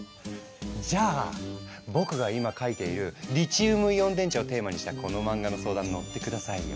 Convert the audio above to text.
じゃあ僕が今描いているリチウムイオン電池をテーマにしたこの漫画の相談乗って下さいよ。